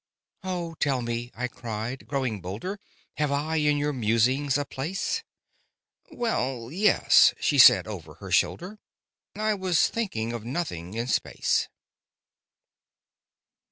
"Oh, tell me," I cried, growing bolder, "Have I in your musings a place?" "Well, yes," she said over her shoulder: "I was thinking of nothing in space."